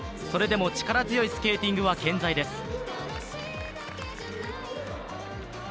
それでも力強いスケーティングは健在です。